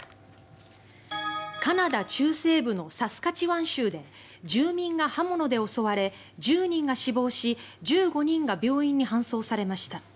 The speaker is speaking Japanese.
カナダ中西部のサスカチワン州で住民が刃物で襲われ１０人が死亡し１５人が病院に搬送されました。